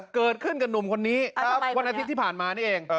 เกิดขึ้นกับหนุ่มคนนี้วันอาทิตย์ที่ผ่านมานี่เอง